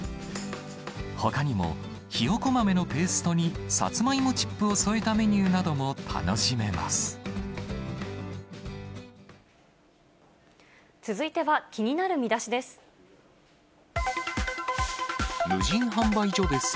ほかにも、ひよこ豆のペーストにサツマイモチップを添えたメニューなども楽続いては気になるミダシです。